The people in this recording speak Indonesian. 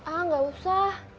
ah gak usah